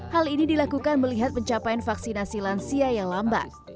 hal ini dilakukan melihat pencapaian vaksinasi lansia yang lambat